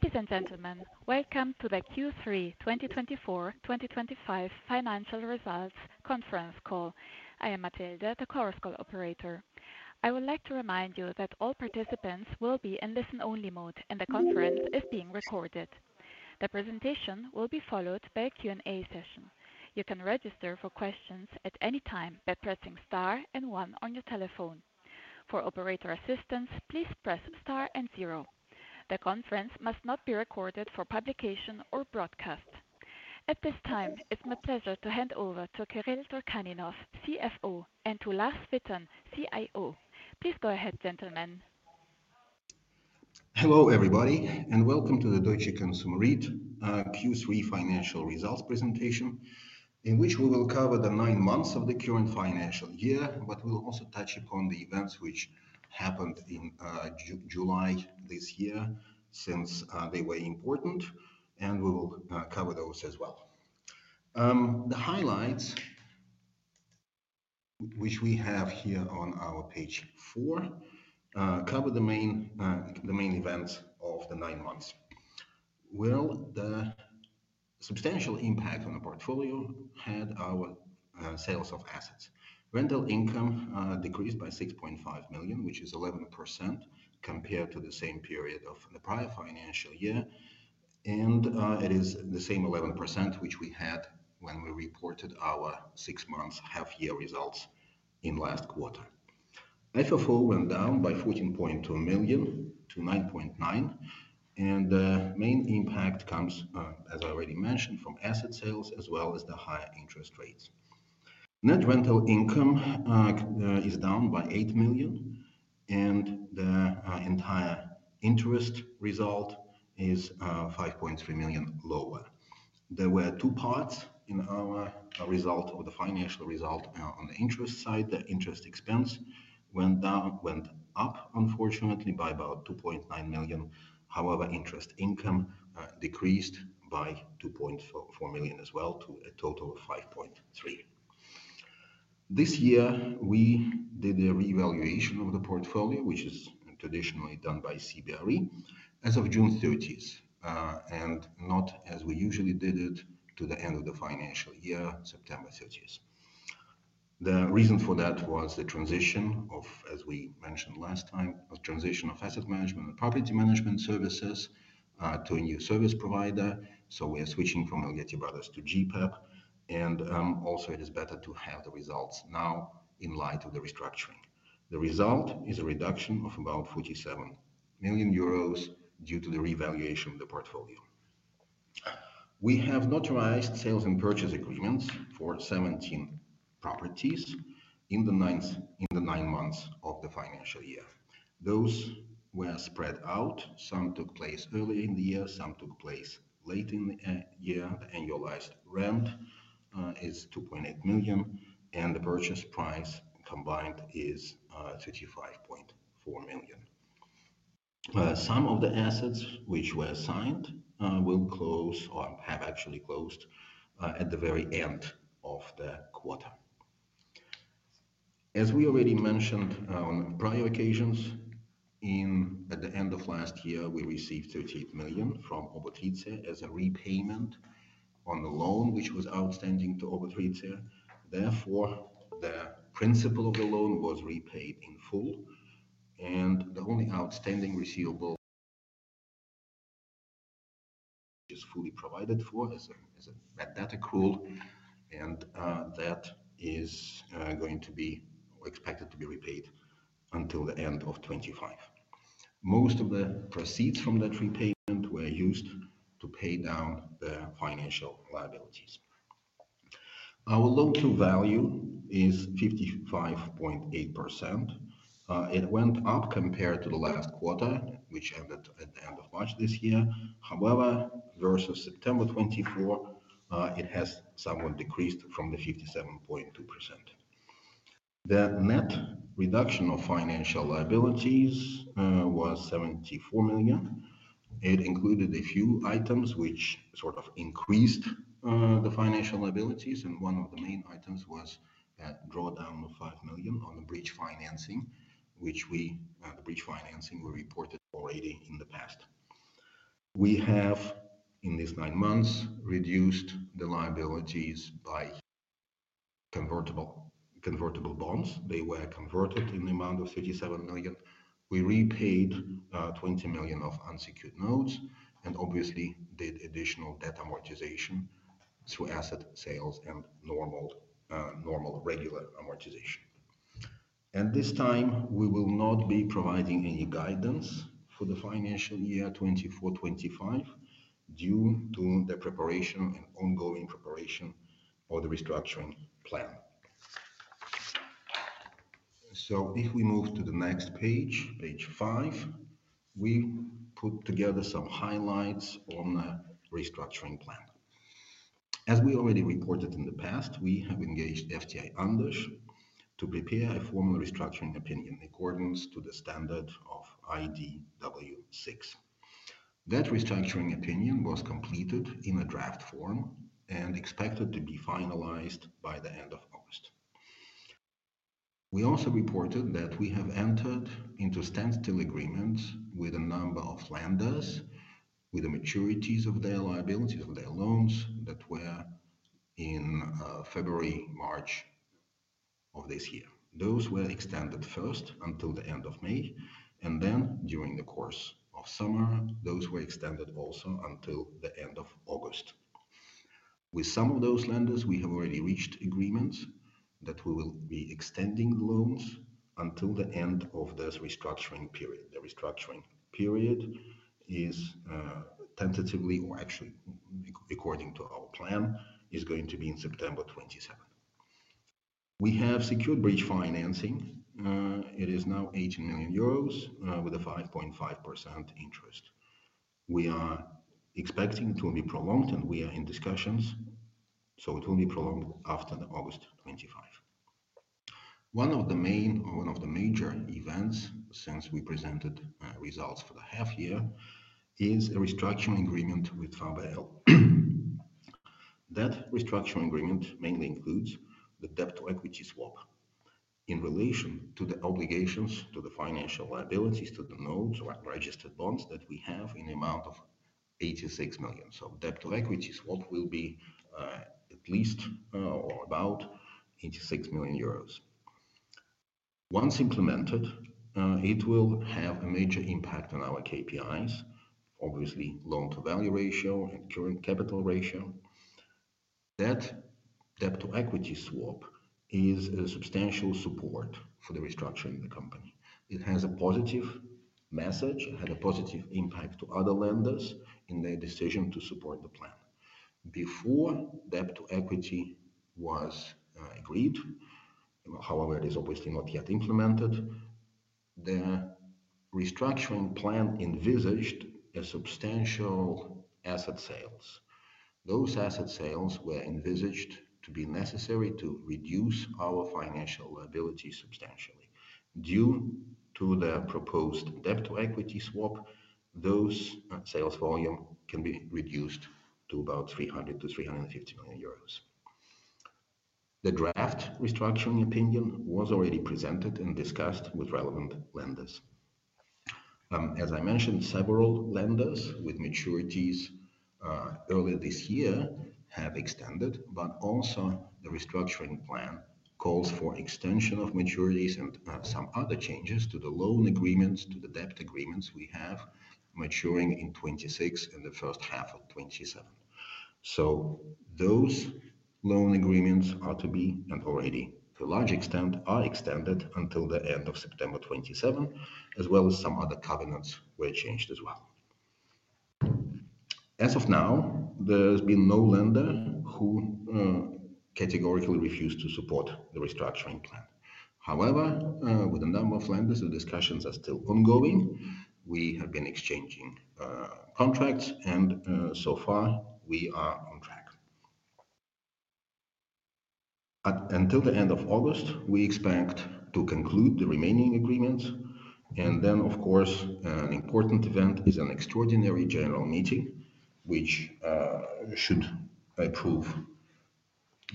Ladies and gentlemen, welcome to the Q3 2024-2025 Financial Results Conference Call. I am Matilde, the callers' call operator. I would like to remind you that all participants will be in listen-only mode, and the conference is being recorded. The presentation will be followed by a Q&A session. You can register for questions at any time by pressing star and one on your telephone. For operator assistance, please press star and zero. The conference must not be recorded for publication or broadcast. At this time, it's my pleasure to hand over to Kyrill Turchaninov, CFO, and to Lars Wittan, CIO. Please go ahead, gentlemen. Hello, everybody, and welcome to the Deutsche Konsum REIT-AG's Q3 financial results presentation, in which we will cover the nine months of the current financial year, but we'll also touch upon the events which happened in July this year, since they were important, and we will cover those as well. The highlights, which we have here on our page four, cover the main events of the nine months. The substantial impact on the portfolio had our sales of assets. Rental income decreased by 6.5 million, which is 11% compared to the same period of the prior financial year, and it is the same 11% which we had when we reported our six-month half-year results in last quarter. FFO went down by 14.2 million-9.9 million, and the main impact comes, as I already mentioned, from asset sales as well as the higher interest rates. Net rental income is down by 8 million, and the entire interest result is 5.3 million lower. There were two parts in our result of the financial result on the interest side. The interest expense went up, unfortunately, by about 2.9 million. However, interest income decreased by 2.4 million as well, to a total of 5.3 million. This year, we did a reevaluation of the portfolio, which is traditionally done by CBRE, as of June 30th, and not as we usually did it to the end of the financial year, September 30th. The reason for that was the transition of, as we mentioned last time, of transition of asset and property management services to a new service provider. We are switching from Elgeti Brothers to GPEP, and also it is better to have the results now in light of the restructuring. The result is a reduction of about 47 million euros due to the reevaluation of the portfolio. We have notarized sales and purchase agreements for 17 properties in the nine months of the financial year. Those were spread out. Some took place earlier in the year, some took place late in the year. The annualized rent is 2.8 million, and the purchase price combined is 35.4 million. Some of the assets which were assigned will close or have actually closed at the very end of the quarter. As we already mentioned on prior occasions, at the end of last year, we received 38 million from Obertrieber as a repayment on the loan which was outstanding to Obertrieber. Therefore, the principal of the loan was repaid in full, and the only outstanding receivable is fully provided for as a net debt accrual, and that is going to be expected to be repaid until the end of 2025. Most of the proceeds from that repayment were used to pay down the financial liabilities. Our loan-to-value is 55.8%. It went up compared to the last quarter, which ended at the end of March this year. However, versus September 2024, it has somewhat decreased from the 57.2%. The net reduction of financial liabilities was 74 million. It included a few items which sort of increased the financial liabilities, and one of the main items was a drawdown of 5 million on the bridge financing, which we reported already in the past. We have, in these nine months, reduced the liabilities by convertible bonds. They were converted in the amount of 37 million. We repaid 20 million of unsecured notes and obviously did additional debt amortization through asset sales and normal regular amortization. At this time, we will not be providing any guidance for the financial year 2024-2025 due to the preparation and ongoing preparation of the restructuring plan. If we move to the next page, page five, we put together some highlights on the restructuring plan. As we already reported in the past, we have engaged FTI Andersch to prepare a formal restructuring opinion in accordance to the standard of IDW S6. That restructuring opinion was completed in a draft form and expected to be finalized by the end of August. We also reported that we have entered into standstill agreements with a number of lenders with the maturities of their liabilities of their loans that were in February and March of this year. Those were extended first until the end of May, and then during the course of summer, those were extended also until the end of August. With some of those lenders, we have already reached agreements that we will be extending the loans until the end of this restructuring period. The restructuring period is tentatively, or actually according to our plan, going to be in September 2027. We have secured bridge financing. It is now 18 million euros with a 5.5% interest. We are expecting it will be prolonged, and we are in discussions, so it will be prolonged after August 2025. One of the main, or one of the major events since we presented results for the half-year is a restructuring agreement with VBL. That restructuring agreement mainly includes the debt-to-equity swap in relation to the obligations, to the financial liabilities, to the notes or registered bonds that we have in the amount of 86 million. The debt-to-equity swap will be at least, or about, 86 million euros. Once implemented, it will have a major impact on our KPIs, obviously loan-to-value ratio and current capital ratio. That debt-to-equity swap is a substantial support for the restructuring of the company. It has a positive message, had a positive impact to other lenders in their decision to support the plan. Before debt-to-equity was agreed, however, it is obviously not yet implemented, the restructuring plan envisaged a substantial asset sales. Those asset sales were envisaged to be necessary to reduce our financial liabilities substantially. Due to the proposed debt-to-equity swap, those sales volume can be reduced to about 300 million-350 million euros. The draft restructuring opinion was already presented and discussed with relevant lenders. As I mentioned, several lenders with maturities earlier this year have extended, but also the restructuring plan calls for extension of maturities and some other changes to the loan agreements, to the debt agreements we have maturing in 2026 and the first half of 2027. Those loan agreements are to be, and already to a large extent, are extended until the end of September 2027, as well as some other covenants were changed as well. As of now, there's been no lender who categorically refused to support the restructuring plan. However, with a number of lenders, the discussions are still ongoing. We have been exchanging contracts, and so far, we are on track. Until the end of August, we expect to conclude the remaining agreements, and then, of course, an important event is an extraordinary general meeting, which should approve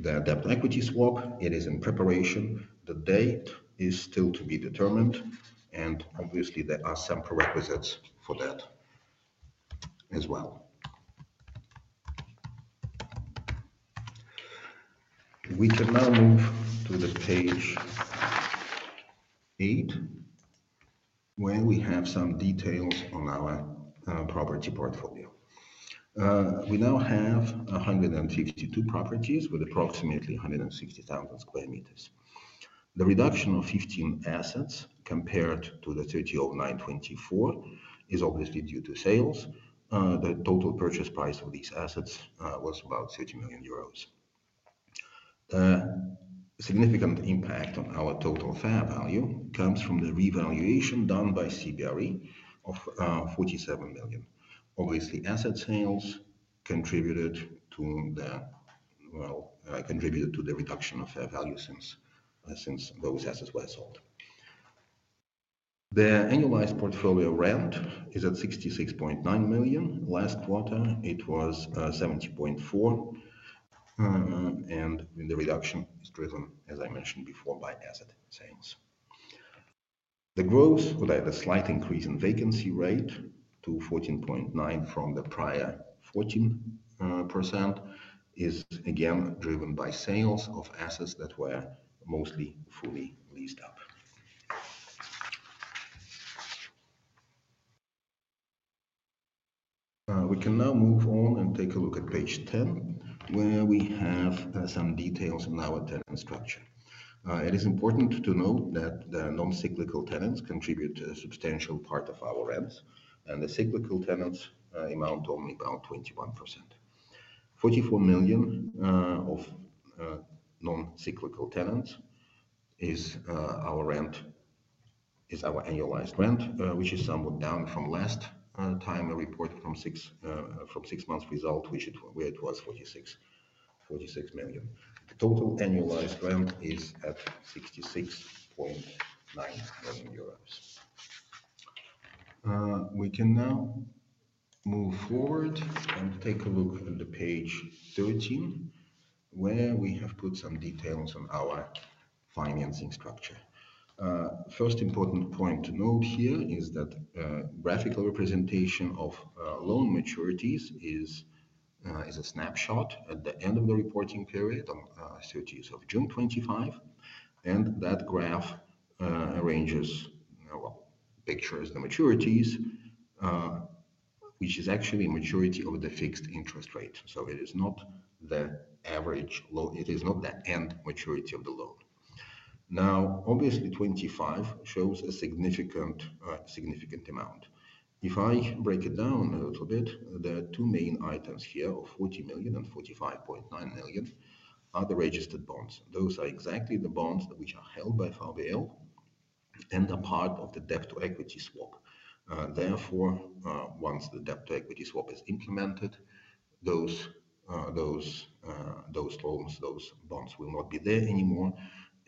the debt-to-equity swap. It is in preparation. The date is still to be determined, and obviously, there are some prerequisites for that as well. We can now move to page eight, where we have some details on our property portfolio. We now have 162 properties with approximately 160,000 square meters. The reduction of 15 assets compared to the 30/09/2024 is obviously due to sales. The total purchase price of these assets was about 30 million euros. A significant impact on our total fair value comes from the reevaluation done by CBRE of 47 million. Obviously, asset sales contributed to the reduction of fair value since those assets were sold. The annualized portfolio rent is at 66.9 million. Last quarter, it was 70.4 million, and the reduction is driven, as I mentioned before, by asset sales. The growth or the slight increase in vacancy rate to 14.9% from the prior 14% is again driven by sales of assets that were mostly fully leased up. We can now move on and take a look at page 10, where we have some details in our tenant structure. It is important to note that the non-cyclical tenants contribute to a substantial part of our rent, and the cyclical tenants amount to only about 21%. 44 million of non-cyclical tenants is our annualized rent, which is somewhat down from last time. I report from six months' result, which it was 46 million. The total annualized rent is at 66.9 million euros. We can now move forward and take a look at page 13, where we have put some details on our financing structure. The first important point to note here is that the graphical representation of loan maturities is a snapshot at the end of the reporting period on June 2025, and that graph arranges, pictures the maturities, which is actually a maturity over the fixed interest rate. It is not the average loan. It is not the end maturity of the loan. Now, obviously, 2025 shows a significant amount. If I break it down a little bit, the two main items here of 40 million and 45.9 million are the registered bonds. Those are exactly the bonds which are held by VBL and are part of the debt-to-equity swap. Therefore, once the debt-to-equity swap is implemented, those bonds will not be there anymore.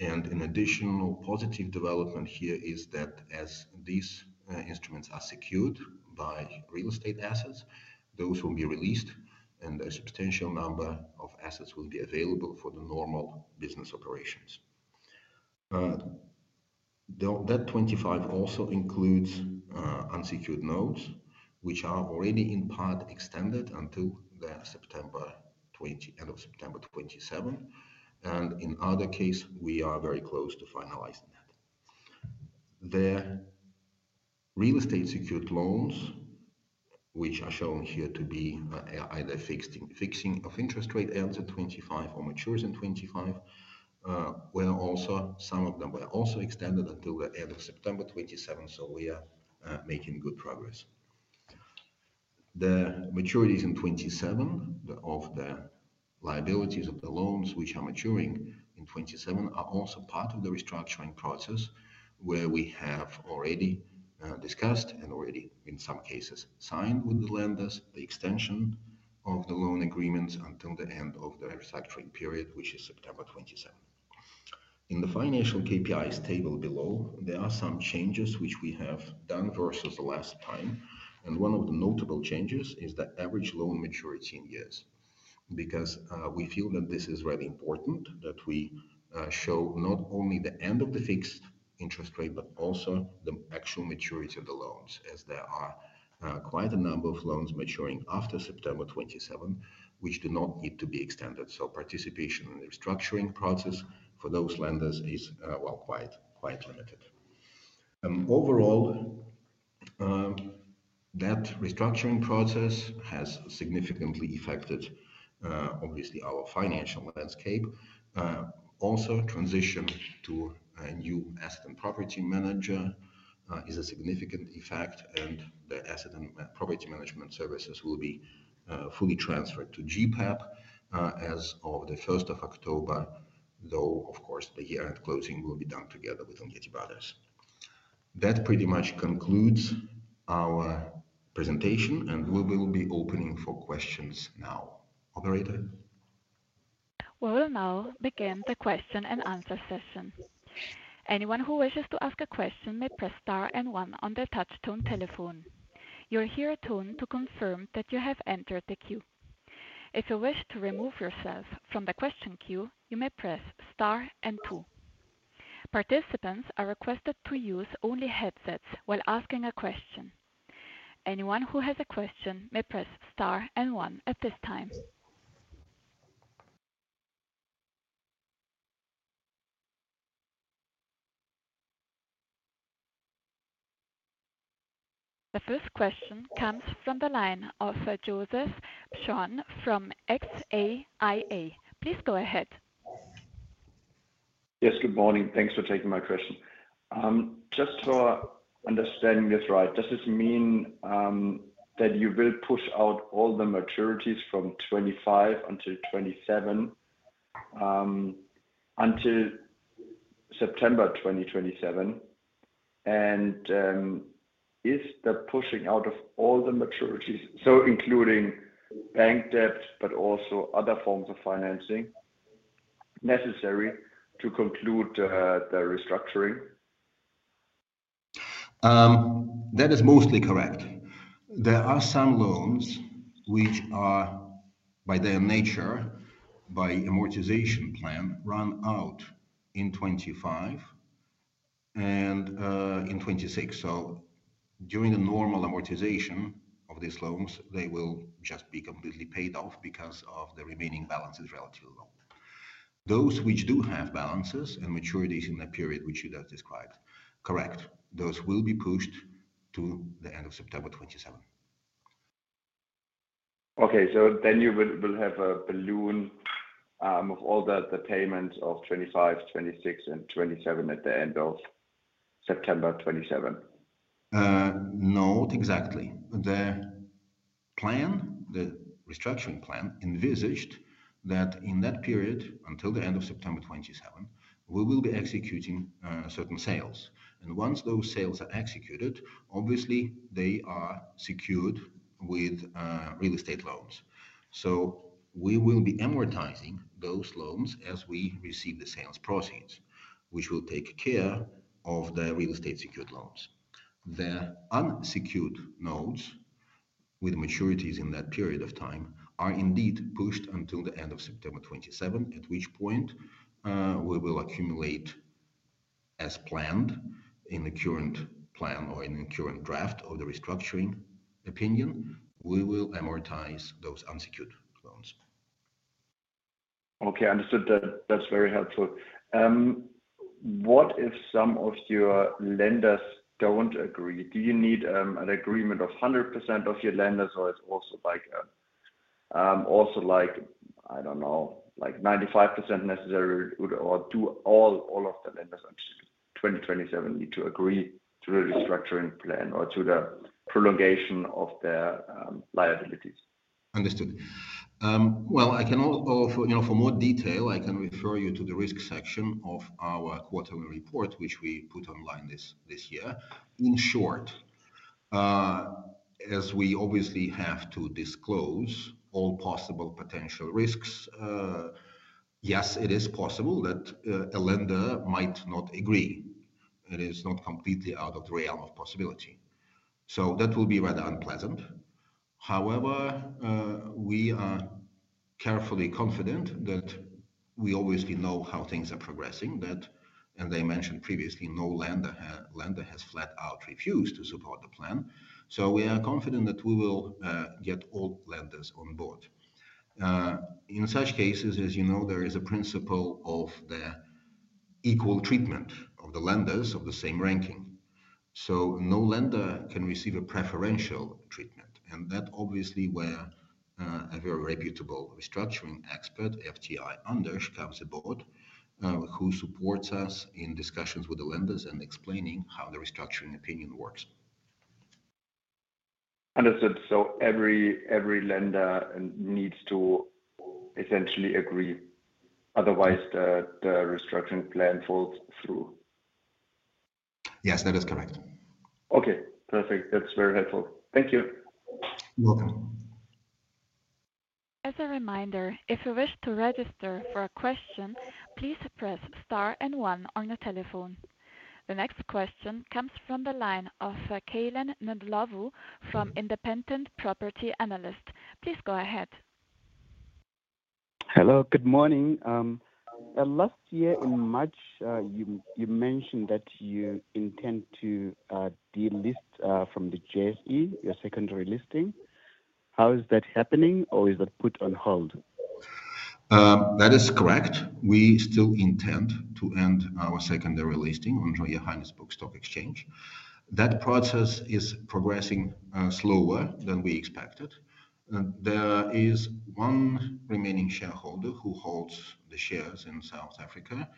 An additional positive development here is that as these instruments are secured by real estate assets, those will be released, and a substantial number of assets will be available for the normal business operations. That 2025 also includes unsecured notes, which are already in part extended until the end of September 2027. In either case, we are very close to finalizing that. The real estate secured loans, which are shown here to be either fixing of interest rate ends of 2025 or matures in 2025, were also, some of them were also extended until the end of September 2027, so we are making good progress. The maturities in 2027, the liabilities of the loans which are maturing in 2027, are also part of the restructuring process, where we have already discussed and already, in some cases, signed with the lenders the extension of the loan agreements until the end of the restructuring period, which is September 2027. In the financial KPIs table below, there are some changes which we have done versus the last time, and one of the notable changes is the average loan maturity in years. Because we feel that this is very important that we show not only the end of the fixed interest rate, but also the actual maturity of the loans, as there are quite a number of loans maturing after September 2027 which do not need to be extended. Participation in the restructuring process for those lenders is quite limited. Overall, that restructuring process has significantly affected, obviously, our financial landscape. Also, transition to a new asset and property manager is a significant effect, and the asset and property management services will be fully transferred to GPEP as of the 1st of October, though, of course, the year-end closing will be done together with Elgeti Brothers. That pretty much concludes our presentation, and we will be opening for questions now. Operator? We will now begin the question and answer session. Anyone who wishes to ask a question may press star and one on the touch-tone telephone. You will hear a tone to confirm that you have entered the queue. If you wish to remove yourself from the question queue, you may press star and two. Participants are requested to use only headsets while asking a question. Anyone who has a question may press star and one at this time. The first question comes from the line of Josef Pschorn from XAIA. Please go ahead. Yes, good morning. Thanks for taking my question. Just for understanding this right, does this mean that you will push out all the maturities from 2025 until 2027 until September 2027? Is the pushing out of all the maturities, so including bank debts, but also other forms of financing, necessary to conclude the restructuring? That is mostly correct. There are some loans which are, by their nature, by amortization plan, run out in 2025 and in 2026. During the normal amortization of these loans, they will just be completely paid off because the remaining balance is relatively low. Those which do have balances and maturities in the period which you just described, correct, those will be pushed to the end of September 2027. Okay, so you will have a balloon of all the payments of 2025, 2026, and 2027 at the end of September 2027? Not exactly. The plan, the restructuring plan, envisaged that in that period, until the end of September 2027, we will be executing certain sales. Once those sales are executed, obviously, they are secured with real estate loans. We will be amortizing those loans as we receive the sales proceeds, which will take care of the real estate secured loans. The unsecured notes with maturities in that period of time are indeed pushed until the end of September 2027, at which point we will accumulate as planned in the current plan or in the current draft of the restructuring opinion. We will amortize those unsecured loans. Okay, understood. That's very helpful. What if some of your lenders don't agree? Do you need an agreement of 100% of your lenders, or is it also like, I don't know, like 95% necessary, or do all of the lenders until 2027 need to agree to the restructuring plan or to the prolongation of their liabilities? Understood. I can offer, you know, for more detail, I can refer you to the risk section of our quarterly report, which we put online this year. In short, as we obviously have to disclose all possible potential risks, yes, it is possible that a lender might not agree. It is not completely out of the realm of possibility. That will be rather unpleasant. However, we are carefully confident that we obviously know how things are progressing, that, as I mentioned previously, no lender has flat out refused to support the plan. We are confident that we will get all lenders on board. In such cases, as you know, there is a principle of the equal treatment of the lenders of the same ranking. No lender can receive a preferential treatment. That's obviously where a very reputable restructuring expert, FTI Andersch, comes aboard, who supports us in discussions with the lenders and explaining how the restructuring opinion works. Understood. Every lender needs to essentially agree, otherwise the restructuring plan falls through. Yes, that is correct. Okay, perfect. That's very helpful. Thank you. You're welcome. As a reminder, if you wish to register for a question, please press star and one on the telephone. The next question comes from the line of Keillen Ndlovu from Independent Property Analyst. Please go ahead. Hello, good morning. Last year in March, you mentioned that you intend to delist from the Johannesburg Stock Exchange, your secondary listing. How is that happening, or is that put on hold? That is correct. We still intend to end our secondary listing on the Johannesburg Stock Exchange. That process is progressing slower than we expected. There is one remaining shareholder who holds the shares in South Africa.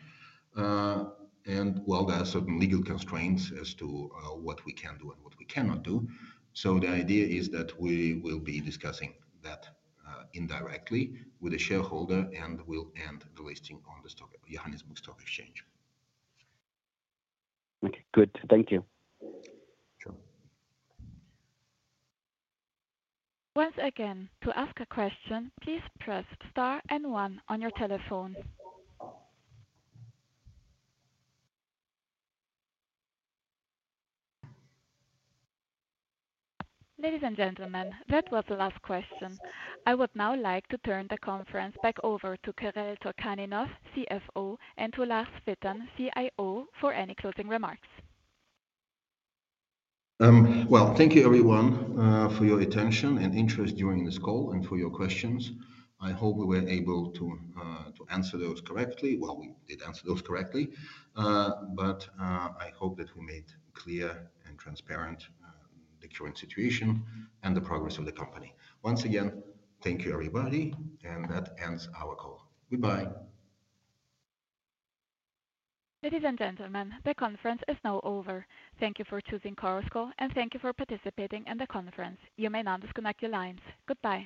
While there are certain legal constraints as to what we can do and what we cannot do, the idea is that we will be discussing that indirectly with the shareholder and will end the listing on the Johannesburg Stock Exchange. Okay, good. Thank you. Sure. Once again, to ask a question, please press star and one on your telephone. Ladies and gentlemen, that was the last question. I would now like to turn the conference back over to Kyrill Turchaninov, CFO, and to Lars Wittan, CIO, for any closing remarks. Thank you, everyone, for your attention and interest during this call and for your questions. I hope we were able to answer those correctly. We did answer those correctly. I hope that we made clear and transparent the current situation and the progress of the company. Once again, thank you, everybody. That ends our call. Goodbye. Ladies and gentlemen, the conference is now over. Thank you for choosing Callers' Call and thank you for participating in the conference. You may now disconnect your lines. Goodbye.